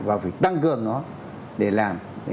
và phải tăng cường nó để làm